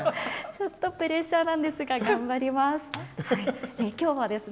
ちょっとプレッシャーなんですが頑張ります。